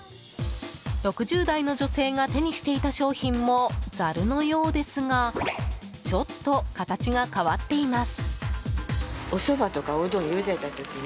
６０代の女性が手にしていた商品もザルのようですがちょっと形が変わっています。